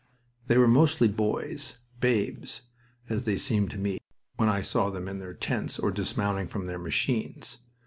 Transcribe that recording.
They were mostly boys babes, as they seemed to me, when I saw them in their tents or dismounting from their machines.